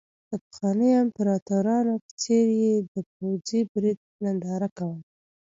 د پخوانیو امپراتورانو په څېر یې د پوځي پرېډ ننداره کوله.